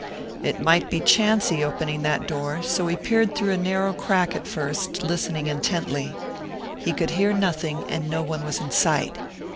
It might be chancy, opening that door; so he peered through a narrow crack at first, listening intently. He could hear nothing and no one was in sight.